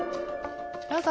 どうぞ！